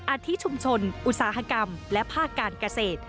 อาทิชุมชนอุตสาหกรรมและภาคการเกษตร